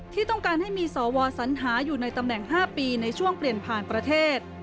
ที่ต้องการให้มีสวสัญหาอยู่ในตำแหน่ง๕ปีในช่วงเปลี่ยนผ่านประเทศ